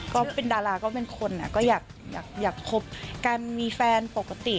ก็เป็นดาราก็เป็นคนก็อยากคบกันมีแฟนปกติ